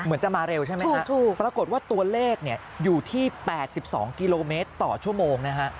เหมือนจะมาเร็วใช่ไหมครับปรากฏว่าตัวเลขเนี่ยอยู่ที่๘๒กิโลเมตรต่อชั่วโมงนะฮะ